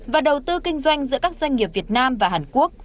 và đầu tư kinh doanh giữa các doanh nghiệp việt nam và hàn quốc